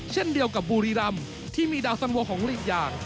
เช่นเดียวกับบุรีรำที่มีดาวสันโวของหลีกอย่าง